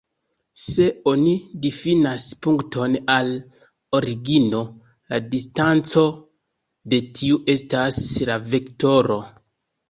Se oni difinas punkton al origino, la distanco de tiu estas la vektoro.